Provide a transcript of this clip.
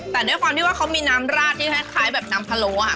แต่ด้วยความที่ว่าเขามีน้ำราดที่คล้ายแบบน้ำพะโล